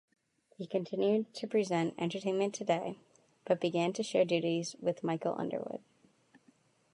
He continued to present "Entertainment Today", but began to share duties with Michael Underwood.